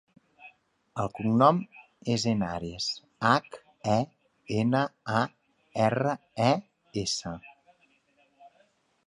El cognom és Henares: hac, e, ena, a, erra, e, essa.